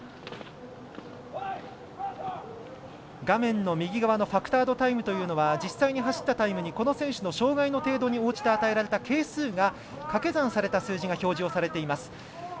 画面右側のファクタードタイムというのは実際には知ったタイムに選手の障がいの程度に応じた係数が掛け算された数字が表示されています。